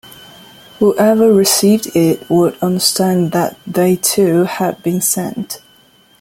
Whoever received it would understand that they, too, had been sent.